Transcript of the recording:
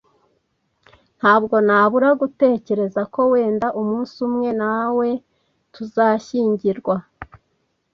Ntabwo nabura gutekereza ko wenda umunsi umwe nawe tuzashyingirwa.